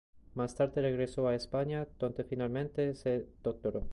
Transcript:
Más tarde, regresó a España, donde finalmente se doctoró.